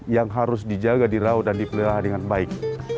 yang harus dijaga dirau dan dipelihara dengan baik